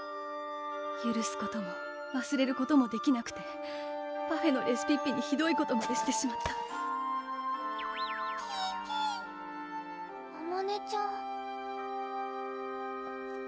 ゆるすこともわすれることもできなくてパフェのレシピッピにひどいことまでしてしまったピピあまねちゃん